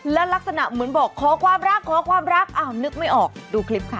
และลักษณะเหมือนบอกขอความรักขอความรักอ้าวนึกไม่ออกดูคลิปค่ะ